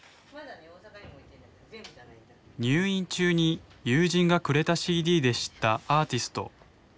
入院中に友人がくれたＣＤで知ったアーティスト。